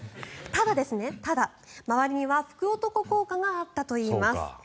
ただ、周りには福男効果があったといいます。